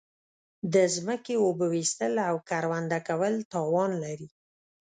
د زمکی اوبه ویستل او کرونده کول تاوان لری